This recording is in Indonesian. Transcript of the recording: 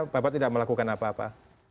bapak tidak melakukan apa apa